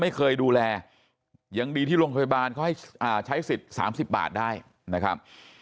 ไม่เคยดูแลยังดีที่โรงพยาบาลก็ใช้๓๐บาทได้นะครับ